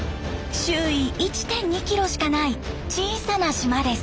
周囲１．２キロしかない小さな島です。